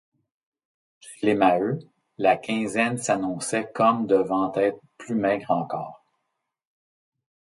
Chez les Maheu, la quinzaine s’annonçait comme devant être plus maigre encore.